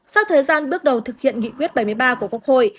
sau thời gian bước đầu thực hiện nghị quyết bảy mươi ba của quốc hội